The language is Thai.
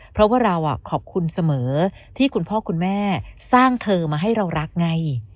เพราะว่าเราขอบคุณเสมอที่คุณพ่อคุณแม่สร้างเธอมาให้เรารักไง